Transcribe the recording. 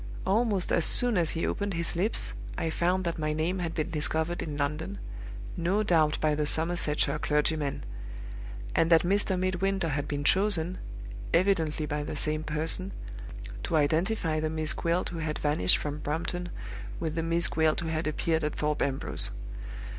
Almost as soon as he opened his lips, I found that my name had been discovered in London (no doubt by the Somersetshire clergyman); and that Mr. Midwinter had been chosen (evidently by the same person) to identify the Miss Gwilt who had vanished from Brompton with the Miss Gwilt who had appeared at Thorpe Ambrose.